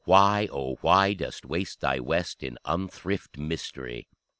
why, oh why Dost waste thy West in unthrift mystery?